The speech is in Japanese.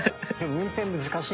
運転難しい？